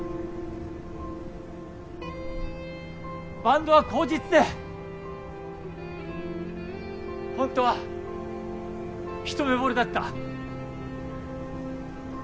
バンドは口実でほんとは一目惚れだった。